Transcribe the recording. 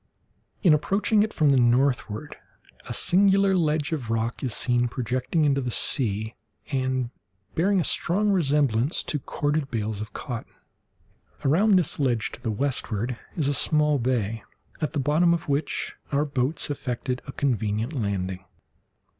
In approaching it from the northward, a singular ledge of rock is seen projecting into the sea, and bearing a strong resemblance to corded bales of cotton. Around this ledge to the westward is a small bay, at the bottom of which our boats effected a convenient landing.